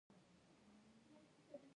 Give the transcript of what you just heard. سوله ییزه ژبه سوله راوړي.